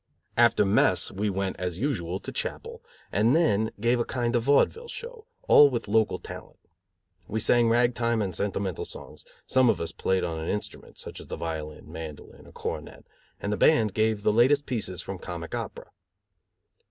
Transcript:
After mess we went, as usual, to chapel, and then gave a kind of vaudeville show, all with local talent. We sang rag time and sentimental songs, some of us played on an instrument, such as the violin, mandolin, or cornet, and the band gave the latest pieces from comic opera.